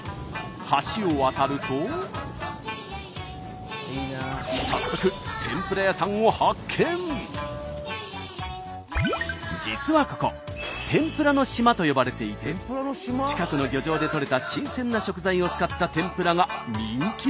橋を渡ると早速実はここ「天ぷらの島」と呼ばれていて近くの漁場でとれた新鮮な食材を使った天ぷらが人気なんです。